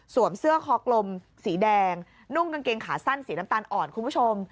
เสื้อคอกลมสีแดงนุ่งกางเกงขาสั้นสีน้ำตาลอ่อนคุณผู้ชม